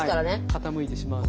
傾いてしまうので。